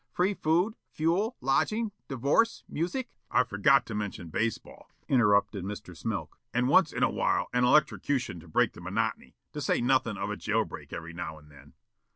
Free food, fuel, lodging, divorce, music " "I forgot to mention baseball," interrupted Mr. Smilk. "And once in awhile an electrocution to break the monotony, to say nothin' of a jail break every now and then.